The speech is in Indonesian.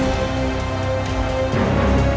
seharusnya pasti kita p través